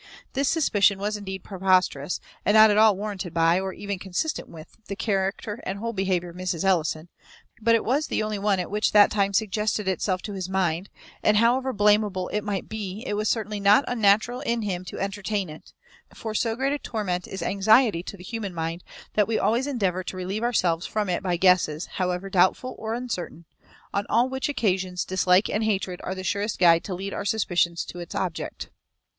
This suspicion was indeed preposterous, and not at all warranted by, or even consistent with, the character and whole behaviour of Mrs. Ellison, but it was the only one which at that time suggested itself to his mind; and, however blameable it might be, it was certainly not unnatural in him to entertain it; for so great a torment is anxiety to the human mind, that we always endeavour to relieve ourselves from it by guesses, however doubtful or uncertain; on all which occasions, dislike and hatred are the surest guides to lead our suspicion to its object.